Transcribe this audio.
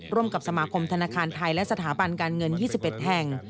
ร่วมกับสมาคมธนาคารไทยและสถาบันการเงิน๒๑แห่ง